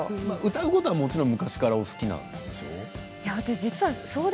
歌うことはもちろん昔からお好きなんでしょう？